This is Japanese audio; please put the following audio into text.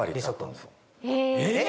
えっ？